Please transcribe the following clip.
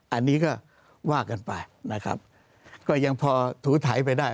อันนี้ก็ว่ากันไปนะครับก็ยังพอถูไถไปได้